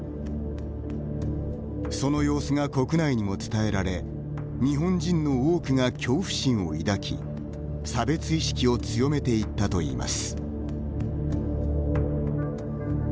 その様子が国内にも伝えられ日本人の多くが恐怖心を抱き差別意識を強めていったといいます。